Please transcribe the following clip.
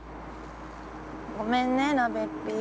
ごめんねなべっぴ。